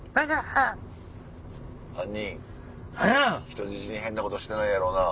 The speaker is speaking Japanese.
「人質に変なことしてないやろな？」。